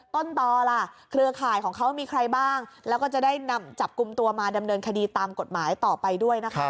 ต้นต่อล่ะเครือข่ายของเขามีใครบ้างแล้วก็จะได้นำจับกลุ่มตัวมาดำเนินคดีตามกฎหมายต่อไปด้วยนะคะ